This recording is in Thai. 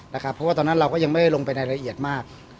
เพราะว่าตอนนั้นเราก็ยังไม่ได้ลงไปในละเอียดมาก